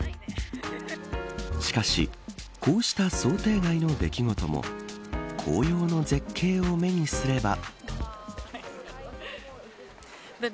しかしこうした想定外の出来事も紅葉の絶景を目にすれば。